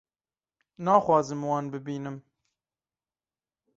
naxwazim wan bibînim